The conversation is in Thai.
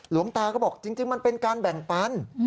หลวงตาก็บอกจริงมันเป็นการแบ่งปัน